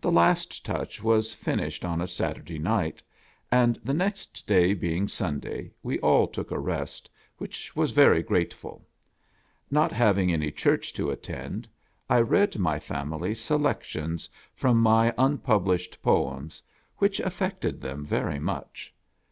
The last touch was finished on a Saturday night, and the next day being Sunday, we all took a rest, which was very grateful. Not having any church to attend, I read my family selections from my unpublished poems, which affected them very much.